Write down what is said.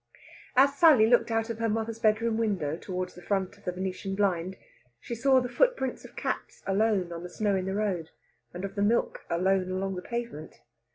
As Sally looked out of her mother's bedroom window towards the front through the Venetian blind, she saw the footprints of cats alone on the snow in the road, and of the milk alone along the pavement.